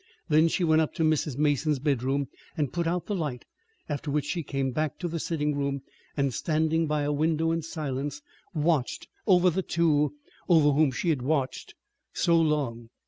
Then she went up to Mrs. Mason's bedroom and put out the light, after which she came back to the sitting room, and, standing by a window in silence, watched over the two over whom she had watched so long.